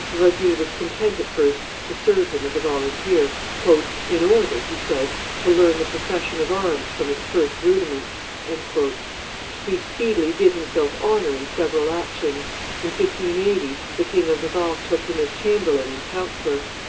Rosny was content at first to serve him as a volunteer, "in order," he said, "to learn the profession of arms from its first rudiments." He speedily did himself honor in several actions. In 1580 the King of Navarre took him as chamberlain and counsellor.